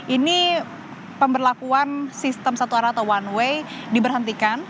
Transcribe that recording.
ini pemberlakuan sistem satu arah atau one way diberhentikan